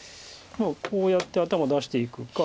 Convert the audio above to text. こうやって頭出していくか。